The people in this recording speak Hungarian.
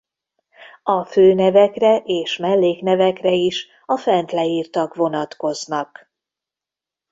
A főnevekre és melléknevekre is a fent leírtak vonatkoznak.